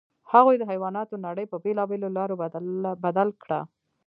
هغوی د حیواناتو نړۍ په بېلابېلو لارو بدل کړه.